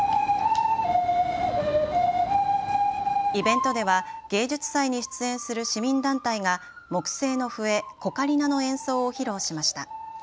イベントでは芸術祭に出演する市民団体が木製の笛、コカリナの演奏を披露しました。